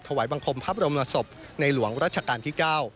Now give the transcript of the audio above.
ถวายบังคมพับรมรสบในหลวงราชการที่๙